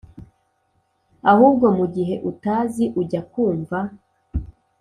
ahubwo mu gihe utazi ujya kumva